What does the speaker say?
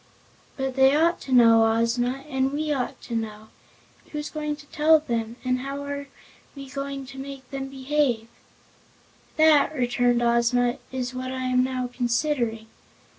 "But they ought to know, Ozma, and we ought to know. Who's going to tell them, and how are we going to make them behave?" "That," returned Ozma, "is what I am now considering.